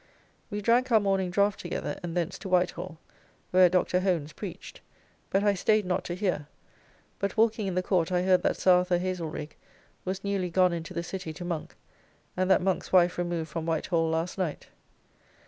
We drank our morning draft together and thence to White Hall, where Dr. Hones preached; but I staid not to hear, but walking in the court, I heard that Sir Arth. Haselrigge was newly gone into the City to Monk, and that Monk's wife removed from White Hall last night.